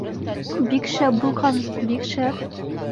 — Бик шәп булған, бик шәп.